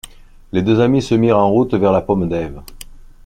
Les deux amis se mirent en route vers la Pomme d’Ève.